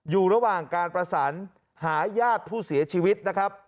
อยู่ระหว่างการประสานหาญาติผู้เสียชีวิตนะครับ